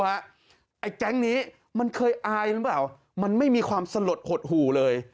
ไอ้แก๊งนี้มันเคยอายหรือเปล่ามันไม่มีความสลดหดหู่เลย